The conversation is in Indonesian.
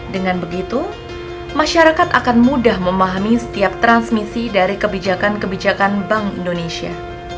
dengan begitu masyarakat akan mudah memahami setiap transmisi dari kebijakan kebijakan bank indonesia